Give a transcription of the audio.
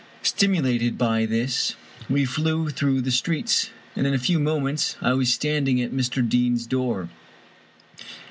Stimulated by this, we flew through the streets, and in a few moments I was standing at Mr. Deane's door.